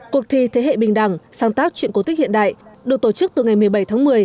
cuộc thi thế hệ bình đẳng sáng tác chuyện cố tích hiện đại được tổ chức từ ngày một mươi bảy tháng một mươi